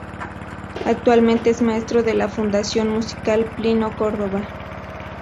Actualmente es Maestro de la Fundación Musical Plinio Córdoba.